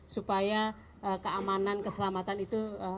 supaya keamanan keselamatan itu